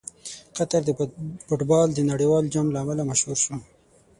قطر د فټبال د نړیوال جام له امله مشهور شو.